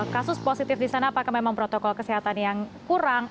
kasus positif di sana apakah memang protokol kesehatan yang kurang